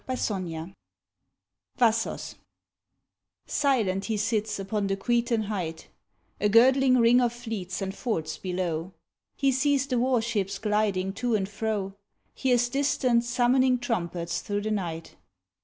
VASSOS 65 VASSOS SILENT he sits upon the Cretan height, A girdling ring of fleets and forts below ; He sees the war ships gliding to and fro, Hears distant, summoning trumpets through the night.